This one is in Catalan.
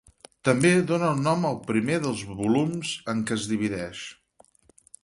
També dóna el nom al primer dels volums en què es divideix.